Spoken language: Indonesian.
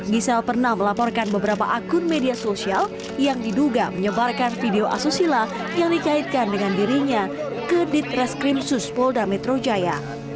gisela pernah melaporkan beberapa akun media sosial yang diduga menyebarkan video asusila yang dikaitkan dengan dirinya ke ditreskrim suspolda metro jaya